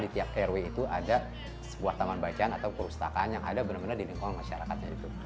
di tiap rw itu ada sebuah taman bacaan atau perpustakaan yang ada benar benar di lingkungan masyarakatnya itu